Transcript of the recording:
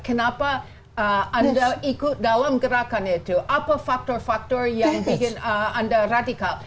kenapa anda ikut dalam gerakan itu apa faktor faktor yang bikin anda radikal